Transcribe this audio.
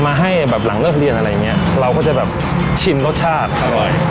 มาให้แบบหลังเลิกเรียนอะไรอย่างเงี้ยเราก็จะแบบชิมรสชาติอร่อย